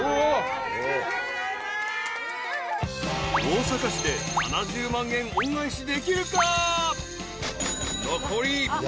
［大阪市で７０万円恩返しできるか？］